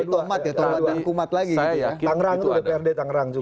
saya yakin itu ada